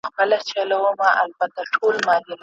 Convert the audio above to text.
دلته تم سه چي بېړۍ دي را رسیږي